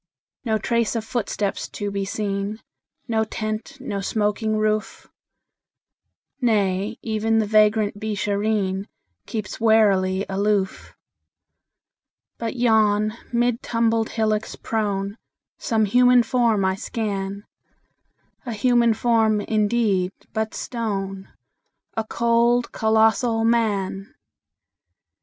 No trace of footsteps to be seen, No tent, no smoking roof; Nay, even the vagrant Beeshareen Keeps warily aloof. But yon, mid tumbled hillocks prone, Some human form I scan A human form, indeed, but stone: A cold, colossal Man!